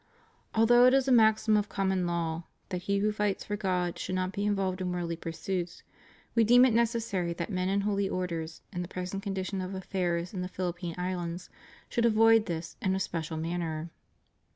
Although it is a maxim of common law that he who fights for God should not be involved in worldly pursuits, We deem it necessary that men in Holy Orders in the present condition of affairs in the Philippine Islands should avoid this in a special man ner.